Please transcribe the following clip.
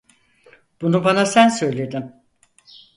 Bunu bana sen söyledin.